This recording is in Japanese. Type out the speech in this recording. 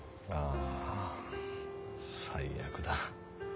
あぁ最悪だ。